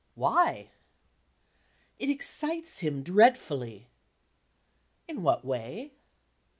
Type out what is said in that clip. "Why?" "It excites him dreadfully." "In what way?"